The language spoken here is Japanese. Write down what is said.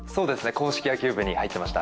硬式野球部に入ってました。